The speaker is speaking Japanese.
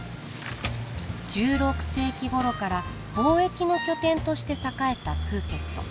「１６世紀ごろから貿易の拠点として栄えたプーケット。